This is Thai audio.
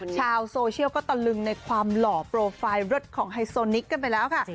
ชาวโซเชียลก็ตะลึงในความหล่อโปรไฟล์รถของไฮโซนิกกันไปแล้วค่ะ